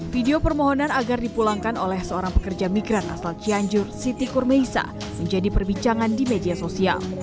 video permohonan agar dipulangkan oleh seorang pekerja migran asal cianjur siti kurmeisa menjadi perbicaraan di media sosial